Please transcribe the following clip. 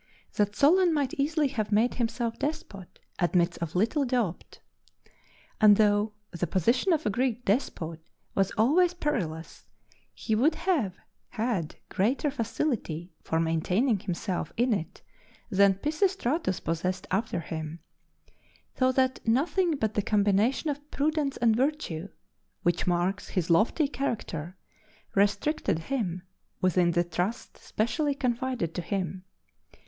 That Solon might easily have made himself despot admits of little doubt. And though the position of a Greek despot was always perilous, he would have had greater facility for maintaining himself in it than Pisistratus possessed after him; so that nothing but the combination of prudence and virtue, which marks his lofty character, restricted him within the trust specially confided to him.